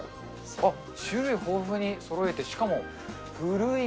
あっ、種類豊富にそろえて、しかも古い